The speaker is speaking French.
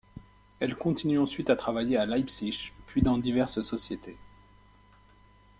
Elle continue ensuite à travailler à Leipzig, puis dans diverses sociétés.